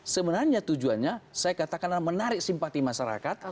sebenarnya tujuannya saya katakanlah menarik simpati masyarakat